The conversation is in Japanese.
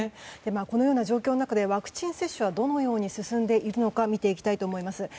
このような状況の中でワクチン接種はどのように進んでいるのか見ていきます。